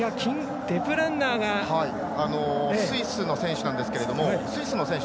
デプルンナースイスの選手なんですけどスイスの選手